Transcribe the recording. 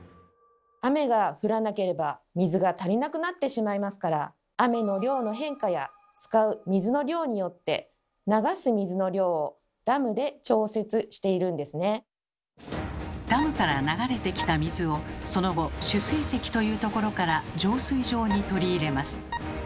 雨が降らなければ水が足りなくなってしまいますからダムから流れてきた水をその後「取水せき」というところから「浄水場」に取り入れます。